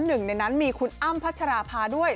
หนึ่งในนั้นมีคุณอ้ำพัชราภาด้วย